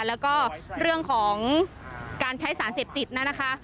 แล้วก็เรื่องของการใช้สารเสพติดนะคะ